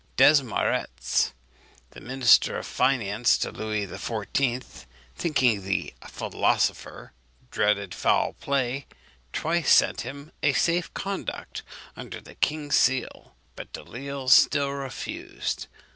Desmarets, the Minister of Finance to Louis XIV., thinking the "philosopher" dreaded foul play, twice sent him a safe conduct under the king's seal; but Delisle still refused.